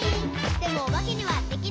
「でもおばけにはできない。」